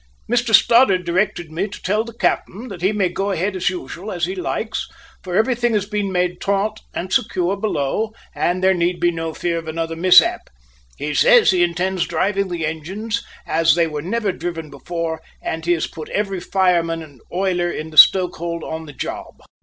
"Mr Stoddart directed me to tell the cap'en that he may go on ahead as usual, as he likes, for everything has been made taut and secure below and there need be no fear of another mishap. He says he intends driving the engines as they were never driven before, and he has put every fireman and oiler in the stoke hold on the job."